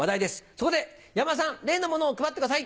そこで山田さん例のものを配ってください！